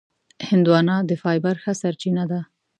هندوانه د فایبر ښه سرچینه ده.